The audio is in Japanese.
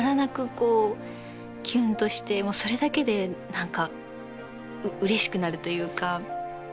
こうキュンとしてもうそれだけで何かうれしくなるというか。